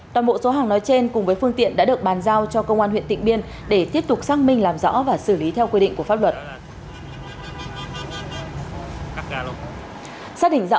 toàn bộ số hàng nói trên cùng với phương tiện đã được bàn giao cho công an huyện tịnh biên để tiếp tục xác minh làm rõ và xử lý theo quy định của pháp luật